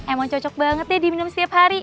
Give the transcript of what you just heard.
emang cocok banget deh diminum setiap hari